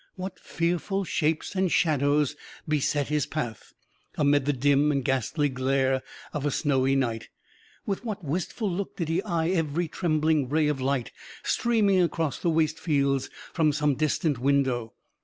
What fearful shapes and shadows beset his path, amid the dim and ghastly glare of a snowy night! With what wistful look did he eye every trembling ray of light streaming across the waste fields from some distant window!